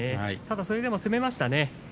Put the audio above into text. それでも攻めましたね。